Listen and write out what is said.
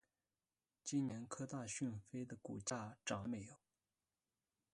今年科大讯飞的股价涨了没有？